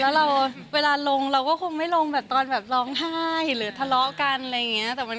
แล้วเราเวลาลงเราก็คงไม่ลงแบบตอนแบบร้องไห้หรือทะเลาะกันอะไรอย่างนี้